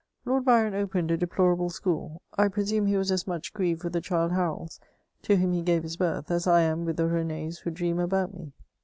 Lord Byron opened a deplorable school : I presume he was as much grieved with the Childe Harolds, to whom he gave birth, as I am with the Renes who dream around me.